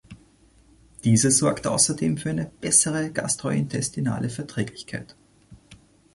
Dieser sorgt außerdem für eine bessere gastrointestinale Verträglichkeit.